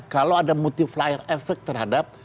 kalau ada multiplier efek terhadap